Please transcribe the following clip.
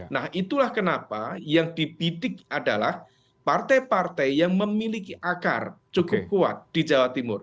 nah itulah kenapa yang dibidik adalah partai partai yang memiliki akar cukup kuat di jawa timur